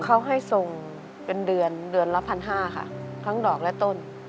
เขาให้ส่งเป็นเดือน๑๕๐๐บาทค่ะทั้งดอกและต้น